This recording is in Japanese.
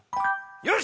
よし！